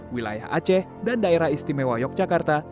wilayah aceh dan daerah istimewa yogyakarta